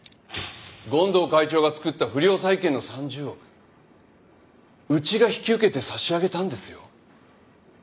権藤会長が作った不良債権の３０億うちが引き受けて差し上げたんですよ。